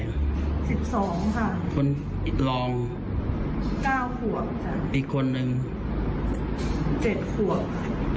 สิบสองค่ะคนอีกรองเก้าขวบจ้ะอีกคนหนึ่งเจ็ดขวบ